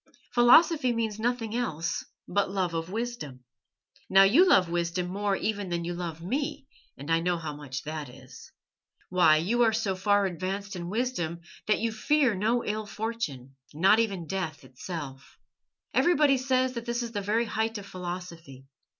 Philosophy means nothing else but love of wisdom. Now you love wisdom more even than you love me, and I know how much that is. Why, you are so far advanced in wisdom that you fear no ill fortune, not even death itself. Everybody says that this is the very height of philosophy.